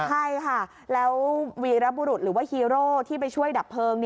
ใช่ค่ะแล้ววีรบุรุษหรือว่าฮีโร่ที่ไปช่วยดับเพลิง